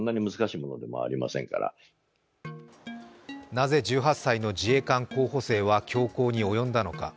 なぜ、１８歳の自衛官候補生は凶行に及んだのか。